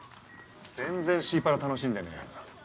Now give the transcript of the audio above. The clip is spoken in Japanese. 全然シーパラ楽しんでねえ。